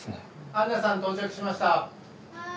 ・安奈さん到着しました。